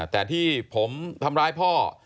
แต่ที่ผมทำร้ายพ่อ